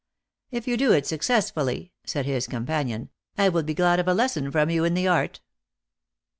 " If you do it successfully," said his companion, " I will be glad of a lesson from you in the art."